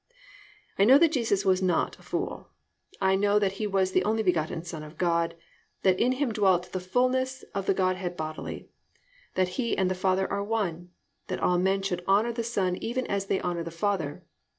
I know that Jesus was not a fool. I know that He was the only begotten Son of God, that in Him dwelt all the fullness of the Godhead bodily, that He and the Father are one, that all men should honour the Son even as they honour the Father.